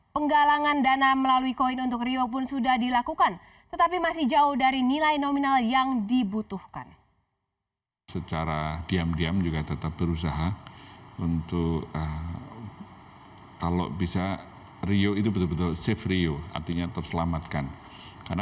penggalangan dana melalui koin untuk rio pun sudah dilakukan